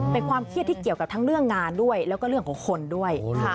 เป็นความเครียดที่เกี่ยวกับทั้งเรื่องงานด้วยแล้วก็เรื่องของคนด้วย